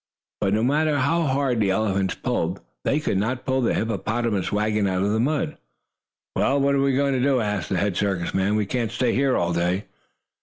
But, no matter how hard the elephants pulled, they could not pull the hippopotamus wagon out of the mud. "Well, what are we going to do?" asked the head circus man. "We cannot stay here all day."